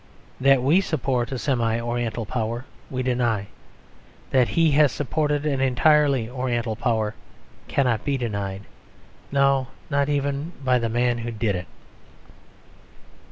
That we support a semi oriental power, we deny. That he has supported an entirely oriental power cannot be denied no, not even by the man who did it.